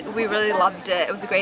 dan perhubungan tersebut sangat bagus